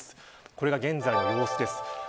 これが現在の様子です。